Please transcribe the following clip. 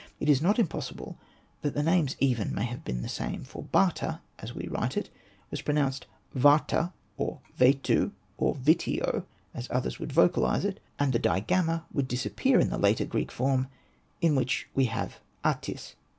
It is not impossible that the names even may have been the same ; for Bata, as we write it, was pronounced Vata (or Vatiu or Vitiou, as others would vocalise it), and the digamma would disappear in the later Greek form in which we have Atys.